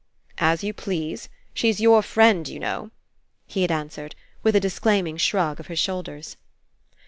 '* "As you please. She's your friend, you 142 RE ENCOUNTER know/' he had answered, with a disclaiming shrug of his shoulders.